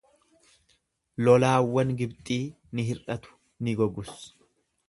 Lolaawwan Gibxii ni hir'atu, ni gogus.